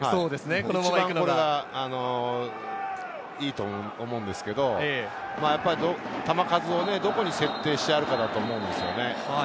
一番いいと思うんですけれど、球数をどこに設定してあるかだと思うんですよね。